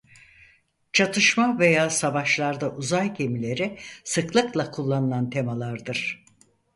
Çatışma veya savaşlarda uzay gemileri sıklıkla kullanılan temalardır.